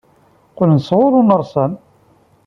Qqlen-d sɣur unersam.